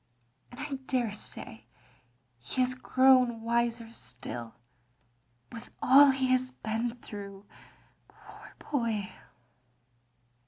And I daresay he has grown wiser still, with all he has been through, poor boy."